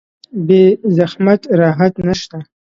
بې زحمت راحت نشته